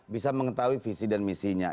bisa mengetahui visi dan misinya